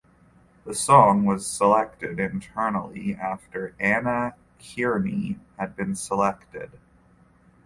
The song was selected internally after Anna Kearney had been selected.